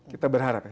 kita berharap ya